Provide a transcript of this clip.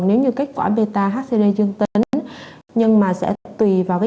nếu như kết quả beta hcre dương tính nhưng mà sẽ tùy vào